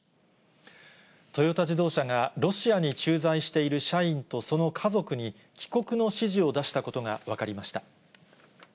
トヨタ自動車が、ロシアに駐在している社員とその家族に、帰国の指示を出したことを分かりました。